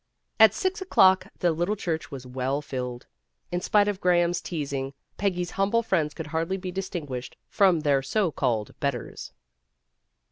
At six o 'clock the little church was well filled. In spite of Graham's teasing, Peggy's humble friends could hardly be distinguished from their so called betters.